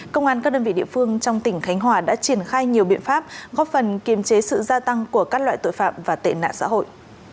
công an các đơn vị địa phương trong tỉnh khánh hòa đã triển khai nhiều biện pháp góp phần kiềm chế sự gia tăng của các loại tội phạm và tệ nạn xã hội